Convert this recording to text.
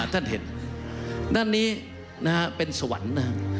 ท่านเห็นด้านนี้เป็นสวรรค์นะครับ